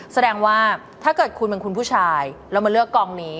แสดงว่าถ้าเกิดคุณเป็นคุณผู้ชายเรามาเลือกกองนี้